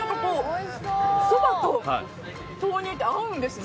そばと豆乳って合うんですね。